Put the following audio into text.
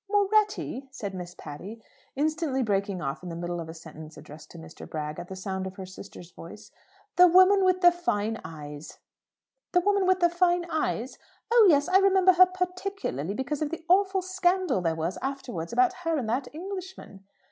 "Moretti?" said Miss Patty, instantly breaking off in the middle of a sentence addressed to Mr. Bragg, at the sound of her sister's voice. "The woman with the fine eyes? Oh yes. I remember her particularly, because of the awful scandal there was afterwards about her and that Englishman."